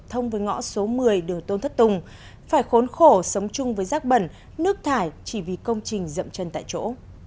thông với ngõ số một mươi đường tôn thất tùng phải khốn khổ sống chung với rác bẩn nước thải chỉ vì công trình dậm chân tại chỗ